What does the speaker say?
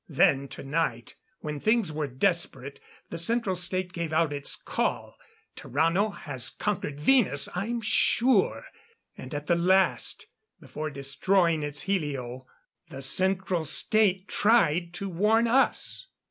Then tonight, when things were desperate, the Central State gave out its call. Tarrano has conquered Venus, I'm sure. And at the last, before destroying its helio, the Central State tried to warn us."